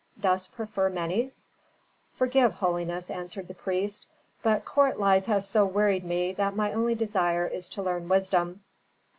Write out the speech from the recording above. Dost prefer Menes?" "Forgive, holiness," answered the priest, "but court life has so wearied me that my only desire is to learn wisdom."